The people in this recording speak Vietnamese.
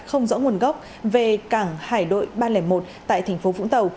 không rõ nguồn gốc về cảng hải đội ba trăm linh một tại tp vũng tàu